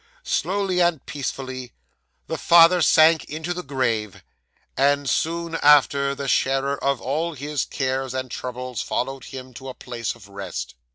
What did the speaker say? Slowly and peacefully, the father sank into the grave, and, soon after, the sharer of all his cares and troubles followed him to a place of rest.